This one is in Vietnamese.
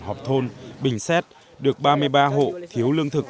họp thôn bình xét được ba mươi ba hộ thiếu lương thực